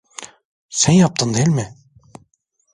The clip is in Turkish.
Sen yaptın, değil mi?